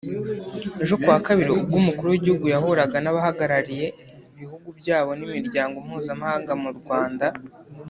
Ejo kuwa Kabiri ubwo Umukuru w’Igihugu yahuraga n’abahagarariye ibihugu byabo n’imiryango mpuzamahanga mu Rwanda